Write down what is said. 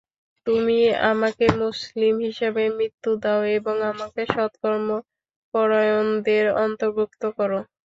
তুমি আমাকে মুসলিম হিসেবে মৃত্যু দাও এবং আমাকে সৎকর্ম পরায়ণদের অন্তর্ভুক্ত কর।